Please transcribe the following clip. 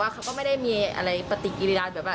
ครับ